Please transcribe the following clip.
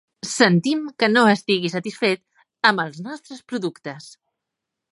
Sentim que no estigui satisfet amb els nostres productes.